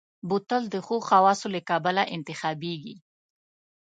بوتل د ښو خواصو له کبله انتخابېږي.